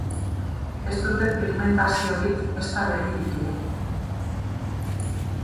Ez dute pigmentaziorik, ezta begirik ere.